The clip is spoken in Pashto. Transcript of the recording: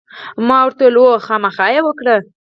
ما ورته وویل: هو، خامخا یې وکړه.